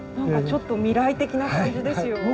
なんかちょっと未来的な感じですよ。